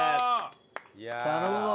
頼むぞ。